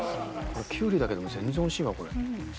キュウリだけでも全然おいしいわこれ。